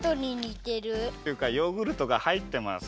っていうかヨーグルトがはいってます。